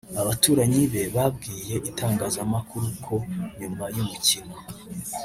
Abaturanyi be babwiye itangazamakuru ko nyuma y’umukino